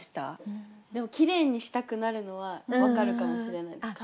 でもきれいにしたくなるのは分かるかもしれないです。